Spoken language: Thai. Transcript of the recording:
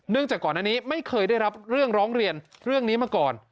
จากก่อนอันนี้ไม่เคยได้รับเรื่องร้องเรียนเรื่องนี้มาก่อน